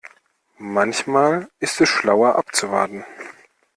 Manchmal ist es schlauer abzuwarten.